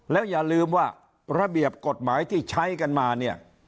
แล้วอย่าลืมว่าระเบียบกฎหมายที่ใช้กันมาเนี่ย